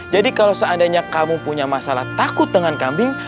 jadi kalau seandainya kamu punya masalah takut dengan kambing